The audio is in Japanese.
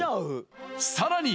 さらに！